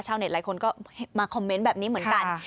หลายคนก็มาคอมเมนต์แบบนี้เหมือนกัน